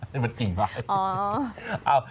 ไม่ใช่มันกิ่งมากเลย